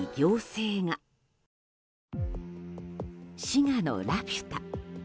滋賀のラピュタ。